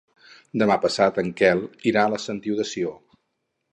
Demà passat en Quel irà a la Sentiu de Sió.